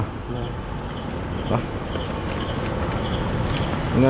vô cơ đi mạng à